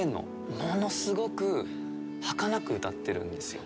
ものすごくはかなく歌っているんですよ。